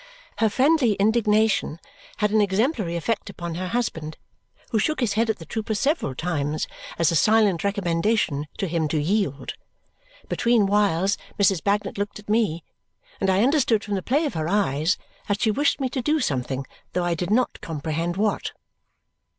Her friendly indignation had an exemplary effect upon her husband, who shook his head at the trooper several times as a silent recommendation to him to yield. Between whiles, Mrs. Bagnet looked at me; and I understood from the play of her eyes that she wished me to do something, though I did not comprehend what.